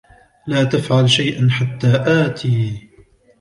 لا تفعل شيئا حتى آتي.